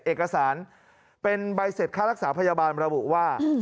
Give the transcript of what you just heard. เอกสารเป็นใบเสร็จค่ารักษาพยาบาลระบุว่า